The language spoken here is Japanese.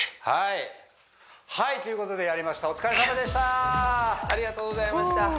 はいはいということでやりましたお疲れさまでした！